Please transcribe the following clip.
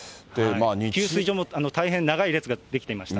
給水所も大変長い列が出来ていました。